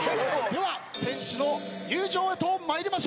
では選手の入場とまいりましょう。